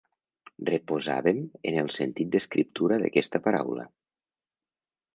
Reposàvem en el sentit d'escriptura d'aquesta paraula.